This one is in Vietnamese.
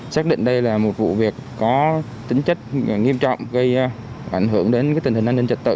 xác định đây là một vụ việc có tính chất nghiêm trọng gây ảnh hưởng đến tình hình an ninh trật tự